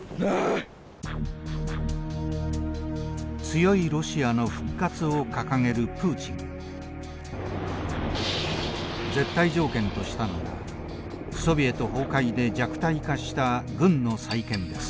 強いロシアの復活を掲げる絶対条件としたのがソビエト崩壊で弱体化した軍の再建です。